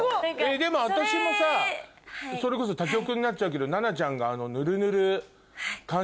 でも私もさそれこそ他局になっちゃうけど奈々ちゃんが。